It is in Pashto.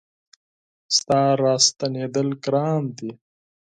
ستا را ستنېدل ګران دي